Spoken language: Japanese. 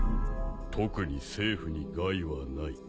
特に政府に害はない。